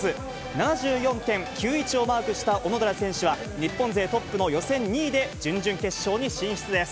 ７４．９１をマークした小野寺選手は、日本勢トップの予選２位で準々決勝に進出です。